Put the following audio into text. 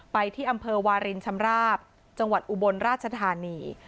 ไปที่อำเภอวารินชำราบจังหวัดอุบลราชธานี